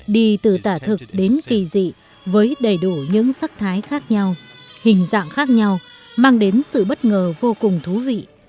đi từ tả thực đến kỳ dị với đầy đủ những sắc thái khác nhau hình dạng khác nhau mang đến sự bất ngờ vô cùng thú vị